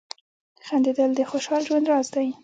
• خندېدل د خوشال ژوند راز دی.